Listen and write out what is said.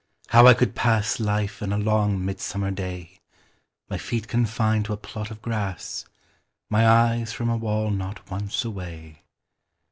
How I could pass Life in a long midsummer day, My feet confined to a plot of grass, My eyes from a wall not once away!